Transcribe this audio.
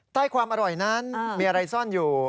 ใต้ความอร่อยนั้นมีอะไรซ่อนอยู่